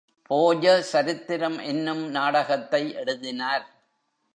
போஜ சரித்திரம் என்னும் நாடகத்தை எழுதினார்.